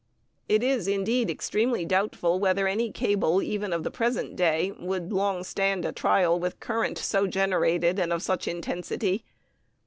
It is, indeed, extremely doubtful whether any cable, even of the present day, would long stand a trial with currents so generated, and of such intensity.